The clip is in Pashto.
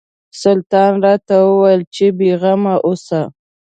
سلطان راته وویل چې بېغمه اوسه.